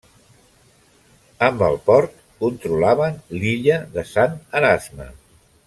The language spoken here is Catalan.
Amb el port controlaven l'illa de Sant Erasme.